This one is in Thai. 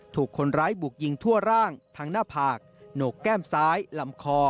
ถูกคนร้ายบุกยิงทั่วร่างทั้งหน้าผากโหนกแก้มซ้ายลำคอ